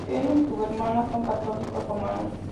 Él y su hermana son Católicos romanos.